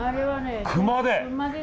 熊手！